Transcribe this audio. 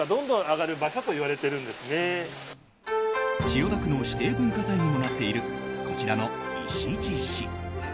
千代田区の指定文化財にもなっているこちらの石獅子。